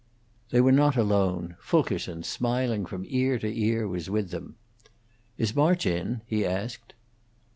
They were not alone. Fulkerson, smiling from ear to ear, was with them. "Is March in?" he asked.